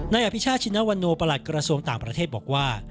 อภิชาติชินวันโนประหลัดกระทรวงต่างประเทศบอกว่า